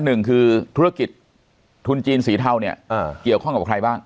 หนึ่งคือธุรกิจทุนจีนสีเทาเนี่ยเกี่ยวข้องกับใครบ้าง